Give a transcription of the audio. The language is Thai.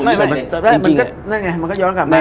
มันก็ย้อนกลับมา